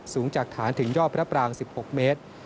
สูงจากฐานถึงยอดพระปราง๑๖เมตร